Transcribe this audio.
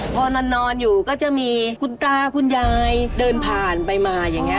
พอนอนอยู่ก็จะมีคุณตาคุณยายเดินผ่านไปมาอย่างนี้